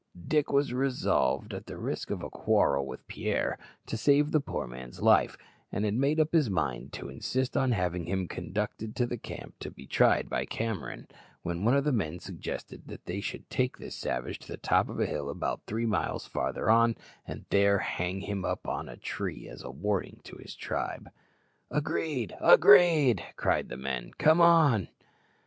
Dick was resolved, at the risk of a quarrel with Pierre, to save the poor man's life, and had made up his mind to insist on having him conducted to the camp to be tried by Cameron, when one of the men suggested that they should take the savage to the top of a hill about three miles farther on, and there hang him up on a tree as a warning to all his tribe. "Agreed, agreed!" cried the men; "come on."